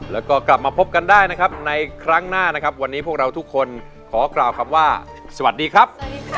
แล้วก็กลับมาพบกันได้นะครับในครั้งหน้านะครับวันนี้พวกเราทุกคนขอกล่าวคำว่าสวัสดีครับ